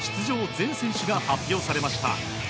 全選手が発表されました。